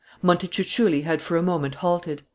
Montecuculli had for a moment halted.